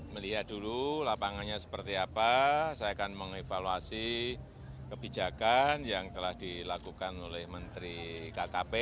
melihat dulu lapangannya seperti apa saya akan mengevaluasi kebijakan yang telah dilakukan oleh menteri kkp